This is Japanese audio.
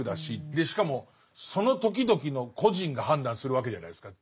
でしかもその時々の個人が判断するわけじゃないですか。